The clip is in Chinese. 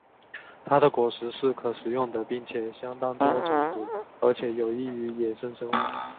它的果实是可食的并且相当多种子而且有益于野生生物。